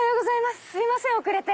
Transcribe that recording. すいません遅れて。